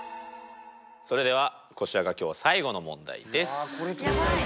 それではこちらが今日最後の問題です。